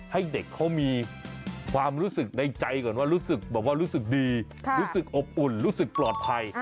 ให้เด็กเขามีความรู้สึกในใจก่อนว่ารู้สึกแบบว่ารู้สึกดีรู้สึกอบอุ่นรู้สึกปลอดภัย